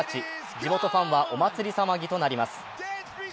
地元ファンはお祭り騒ぎとなります。